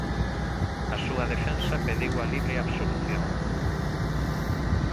A súa defensa pediu a libre absolución.